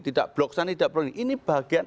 tidak blok sana tidak blok ini bagian